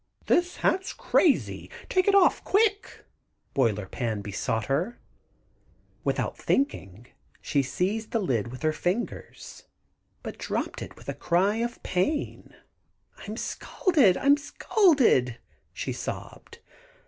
"This hat's crazy! Take it off, quick!" Boiler Pan besought her. Without thinking, she seized the lid with her fingers, but dropped it with a cry of pain. "I'm scalded, I'm scalded," she sobbed.